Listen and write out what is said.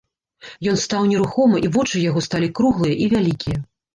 Ён стаў нерухома, і вочы яго сталі круглыя і вялікія.